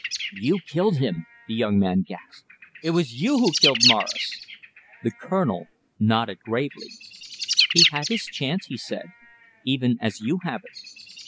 "You killed him," the young man gasped. "It was you who killed Morris." The Colonel nodded gravely. "He had his chance," he said, "even as you have it."